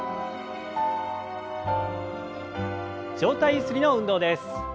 上体ゆすりの運動です。